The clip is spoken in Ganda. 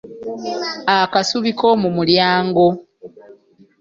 Akasubi k’omu mulyango.